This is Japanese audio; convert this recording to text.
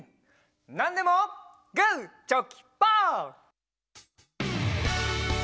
「なんでもグーチョキパー」！